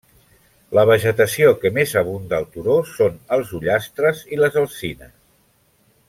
La vegetació que més abunda al turó són els ullastres i les alzines.